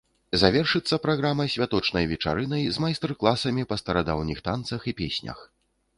Завершыцца праграма святочнай вечарынай з майстар-класамі па старадаўніх танцах і песнях.